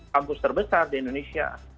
kampus terbesar di indonesia